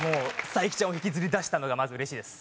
才木ちゃんを引きずり出したのがまず嬉しいです。